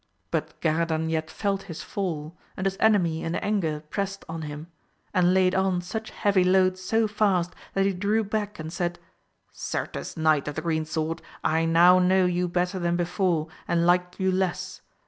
But Garadan yet felt his fall, and his enemy in anger pressed on him, and laid on such heavy load so fast that he drew back and said, Certes Knight of the Green Sword I now know you better than before, and like you less